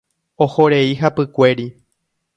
Ohorei hapykuéri.